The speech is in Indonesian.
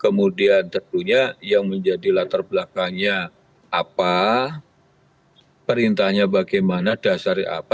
kemudian tentunya yang menjadilah terbelakangnya apa perintahnya bagaimana dasar apa